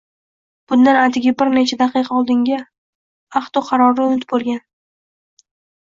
Bundan atigi bir necha daqiqa oldingi ahdu qarori unut bo‘lgan